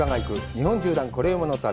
日本縦断コレうまの旅」。